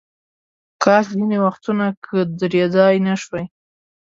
کاش ځینې وختونه که درېدای نشوای.